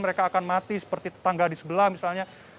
mereka akan mati seperti tetangga di sebelah misalnya